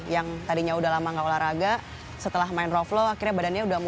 yang tadinya udah lama gak olahraga setelah main rope flow akhirnya badannya udah mulai